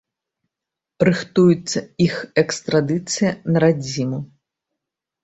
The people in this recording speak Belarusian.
Рыхтуецца іх экстрадыцыя на радзіму.